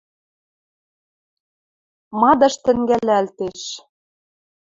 Мадыш тӹнгӓлӓлтеш.